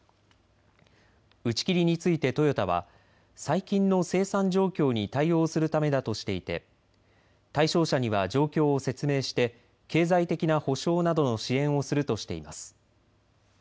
打ち切りについてトヨタは最近の生産状況に対応するためだとしていて対象者には状況を説明して経済的な補償などの支援をするとしています。